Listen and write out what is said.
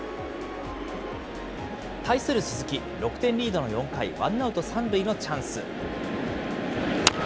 対する鈴木、６点リードの４回、ワンアウト３塁のチャンス。